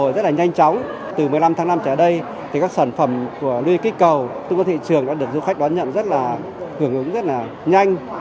rất là hưởng ứng rất là nhanh